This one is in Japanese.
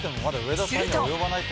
すると。